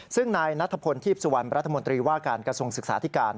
ซึ่งนายนัทพลทีพสุวรรณรัฐมนตรีว่าการกระทรวงศึกษาธิการ